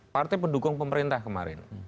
partai pendukung pemerintah kemarin